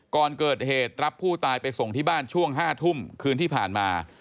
ก่อนเกิดเหตุรับผู้ตายไปส่งที่บ้านช่วง๕ทุ่มคืนที่ผ่านมา